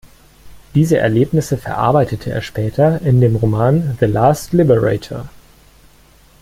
Diese Erlebnisse verarbeitete er später in dem Roman "The Last Liberator".